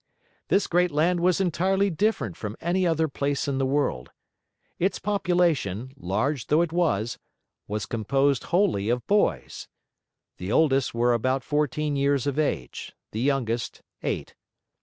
This great land was entirely different from any other place in the world. Its population, large though it was, was composed wholly of boys. The oldest were about fourteen years of age, the youngest, eight.